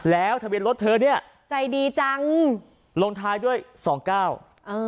แล้วทะเบียนรถเธอเนี้ยใจดีจังลงท้ายด้วยสองเก้าเออ